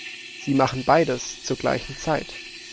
Sie machen beides zur gleichen Zeit.